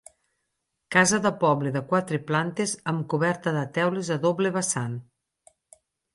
Casa de poble de quatre plantes amb coberta de teules a doble vessant.